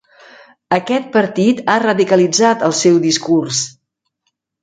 Aquest partit ha radicalitzat el seu discurs.